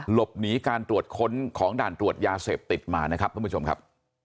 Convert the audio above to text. หลบหนีการตรวจค้นของด่านตรวจยาเสพติดมานะครับท่านผู้ชมครับ